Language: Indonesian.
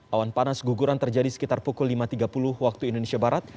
awan panas guguran terjadi sekitar pukul lima tiga puluh waktu indonesia barat